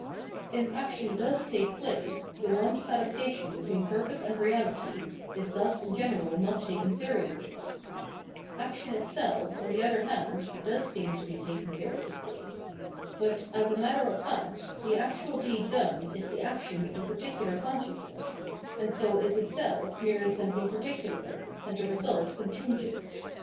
Since action does take place, the want of adaptation between purpose and reality is thus in general not taken seriously. Action itself, on the other hand, does seem 628 Phenomenology of Mind to be taken seriously. But, as a matter of fact, the actual deed done is the action of a particular conscious ness, and so is itself merely something particular, and the result contingent.